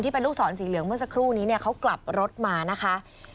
เป็นลูกศรสีเหลืองเมื่อสักครู่นี้เนี่ยเขากลับรถมานะคะ